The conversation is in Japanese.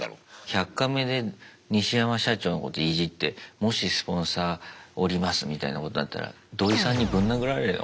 「１００カメ」でニシヤマ社長のこといじってもしスポンサー降りますみたいなことになったらドイさんにぶん殴られるよ